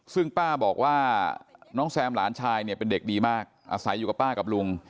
ซึ่งป้าบอกว่าน้องแซมหลานชายเนี่ยเป็นเด็กดีมากอาศัยอยู่กับป้ากับลุง